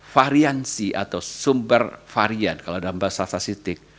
variansi atau sumber varian kalau dalam bahasa sasi siti